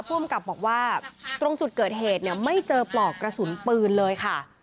ภูมิกับบอกว่าตรงจุดเกิดเหตุเนี่ยไม่เจอปลอกกระสุนปืนเลยค่ะ